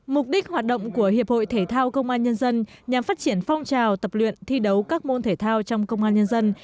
mục đích hoạt động của hiệp hội thể thao công an nhân dân nhằm phát triển phong trào tập luyện thi đấu các môn thể thao trong công an nhân dân